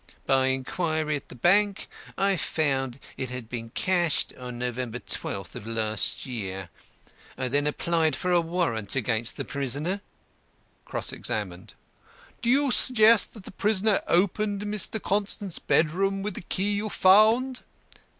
By inquiry at the Bank, I found it had been cashed on November l2th of last year. I then applied for a warrant against the prisoner." Cross examined: "Do you suggest that the prisoner opened Mr. Constant's bedroom with the key you found?"